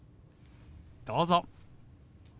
どうぞ。